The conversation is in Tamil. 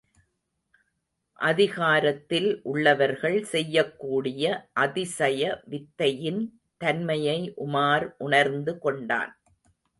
அதிகாரத்தில் உள்ளவர்கள் செய்யக்கூடிய அதிசய வித்தையின் தன்மையை உமார் உணர்ந்து கொண்டான்.